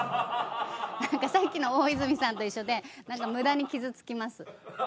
さっきの大泉さんと一緒で無駄に傷つきます。